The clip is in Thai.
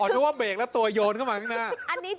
นึกว่าเบรกแล้วตัวโยนเข้ามาข้างหน้า